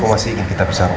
aku masih ingin kita besar